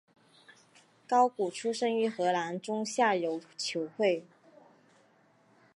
高古出身于荷兰中下游球会。